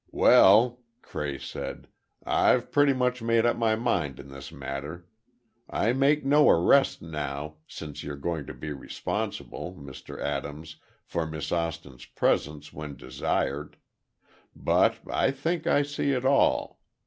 "Well," Cray said, "I've pretty much made up my mind in this matter. I make no arrest now, since you're going to be responsible, Mr. Adams, for Miss Austin's presence when desired. But, I think I see it all.